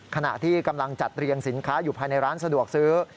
ขณะที่กำลังจัดเรียงสินค้าอยู่ภายในร้านสะดวกซื้อ